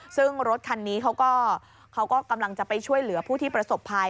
ซึ่งรถคันนี้เขาก็กำลังจะไปช่วยเหลือผู้ที่ประสบภัย